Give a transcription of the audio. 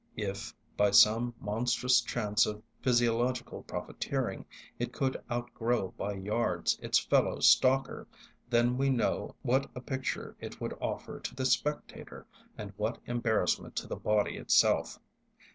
If, by some monstrous chance of physiological profiteering, it could outgrow by yards its fellow stalker, then we know what a picture it would offer to the spectator and what embarrassment to the body itself.